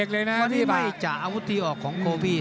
พอที่ไม่จ่ะอาวุธที่ออกของโคบี้